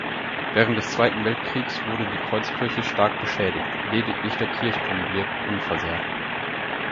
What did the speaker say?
Während des Zweiten Weltkriegs wurde die Kreuzkirche stark beschädigt, lediglich der Kirchturm blieb unversehrt.